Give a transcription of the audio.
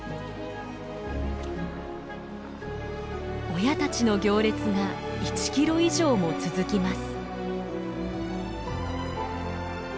親たちの行列が１キロ以上も続きます。